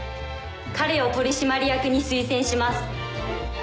彼を取締役に推薦します。